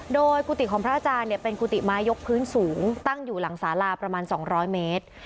โดยกุฏิของพระอาจารย์เป็นกุฏิไม้ยกพื้นสูงตั้งอยู่หลังสาลาประมาณ๒๐๐เมตร